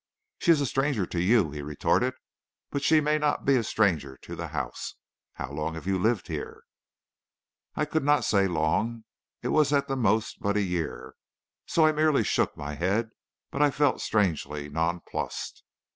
"'She is a stranger to you,' he retorted, 'but she may not be a stranger to the house. How long have you lived here?' "I could not say long. It was at the most but a year; so I merely shook my head, but I felt strangely nonplussed.